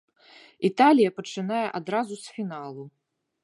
Італія пачынае адразу з фіналу!